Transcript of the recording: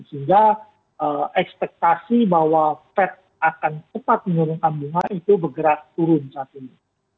sehingga ekspektasi bahwa fed akan cepat menurunkan bunga itu bergerak turun saat ini